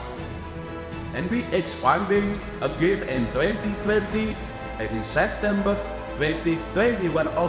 dan besok saya akan mengucapkan kepada orang orang bank tiongkok